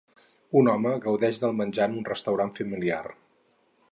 Un home gaudeix del menjar en un restaurant familiar